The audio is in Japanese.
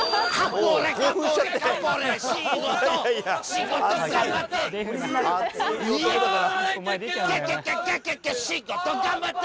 仕事、仕事頑張って。